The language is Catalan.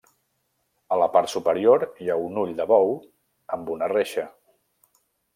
A la part superior hi ha un ull de bou amb una reixa.